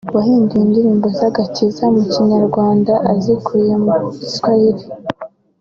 wahinduye Indirimbo z’Agakiza (Nyimbo za Wokovu) mu Kinyarwanda azikuye mu Giswahili